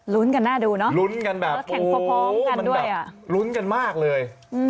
ลุ้นกันหน้าดูเนอะและแข่งพอกันด้วยอ่ะลุ้นกันมากเลยโอ้โหมันแบบลุ้นกันมากเลย